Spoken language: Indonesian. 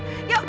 yuk bang ojek